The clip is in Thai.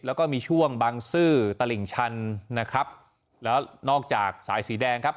แล้วก็มีช่วงบางซื่อตลิ่งชันนะครับแล้วนอกจากสายสีแดงครับ